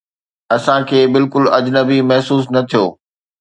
اسان کي بلڪل اجنبي محسوس نه ٿيو